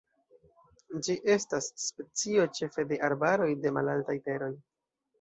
Ĝi estas specio ĉefe de arbaroj de malaltaj teroj.